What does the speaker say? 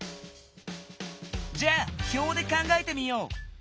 じゃあ表で考えてみよう！